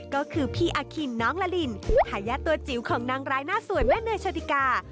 ก็คือพี่อาคินน้องละลินทายาทตัวจิ๋วของนางร้ายหน้าสวยแม่เนยโชติกา